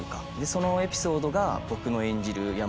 そのエピソードが僕の演じる山姥